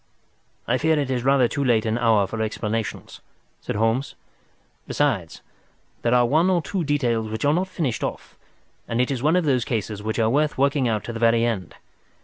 "I fear it is rather too late an hour for explanations," said Holmes. "Besides, there are one or two details which are not finished off, and it is one of those cases which are worth working out to the very end.